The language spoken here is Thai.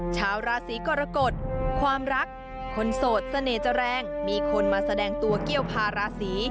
ชาวราศีกรกฎความรักคนโสดเสน่ห์จะแรงมีคนมาแสดงตัวเกี้ยวพาราศี